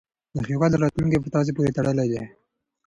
د هیواد راتلونکی په تاسې پورې تړلی دی.